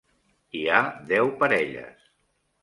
Hi ha deu parelles.